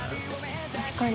確かに。